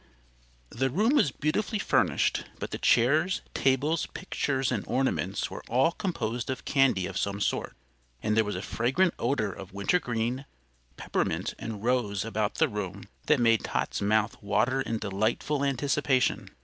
The room was beautifully furnished; but the chairs, tables, pictures and ornaments were all composed of candy of some sort, and there was a fragrant odor of wintergreen, peppermint and rose about the room that made Tot's mouth water in delightful anticipation.